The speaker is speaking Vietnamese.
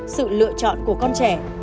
sự lựa chọn của con trẻ